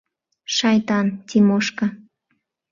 Шайтан, Тимошка!